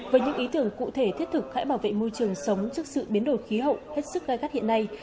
với những ý tưởng cụ thể thiết thực hãy bảo vệ môi trường sống trước sự biến đổi khí hậu hết sức gai gắt hiện nay